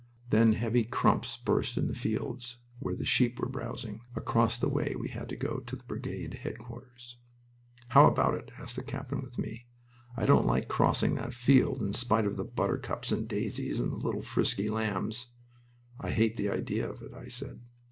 Then heavy "crumps" burst in the fields where the sheep were browsing, across the way we had to go to the brigade headquarters. "How about it?" asked the captain with me. "I don't like crossing that field, in spite of the buttercups and daisies and the little frisky lambs." "I hate the idea of it," I said.